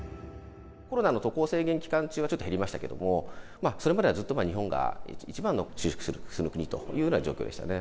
コロナの渡航制限期間中はちょっと減りましたけれども、それまではずっと日本が一番の就職するという国というような状況でしたね。